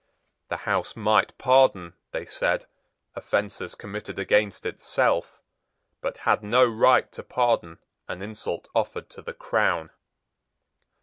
The House might pardon, they said, offences committed against itself, but had no right to pardon an insult offered to the crown.